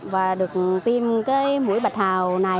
và được tiêm cái mũi bạch hầu này